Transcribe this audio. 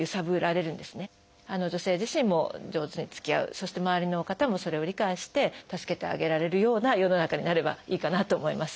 そして周りの方もそれを理解して助けてあげられるような世の中になればいいかなと思います。